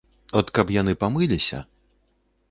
От каб яны памыліліся.